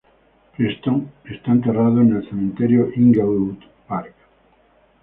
Preston está enterrado en el Cementerio Inglewood Park.